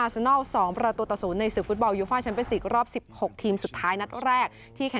ตอนนี้วัย๒๘ปีค่ะ